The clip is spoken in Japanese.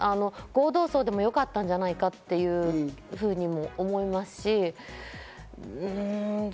合同葬でもよかったんじゃないかっていうふうにも思いますし、うん。